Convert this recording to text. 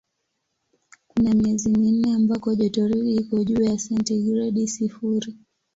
Kuna miezi minne ambako jotoridi iko juu ya sentigredi sifuri.